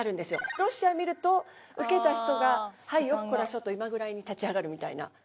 ロシア見ると受けた人が「はいよっこらしょ」と今ぐらいに立ち上がるみたいな。